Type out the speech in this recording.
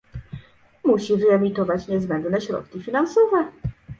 Musi wyemitować niezbędne środki finansowe